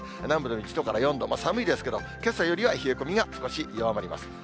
南部で１度から４度、寒いですけど、けさよりは冷え込みが少し弱まります。